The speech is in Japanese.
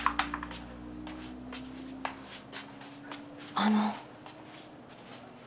あの。